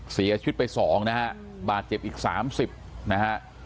เสียชุดไป๒นะฮะบาดเจ็บอีก๓๐นะฮะ